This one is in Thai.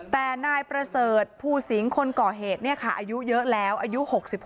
แต่นายประเสริฐผู้สิงค์คนก่อเหตุเนี่ยค่ะอายุเยอะแล้วอายุ๖๖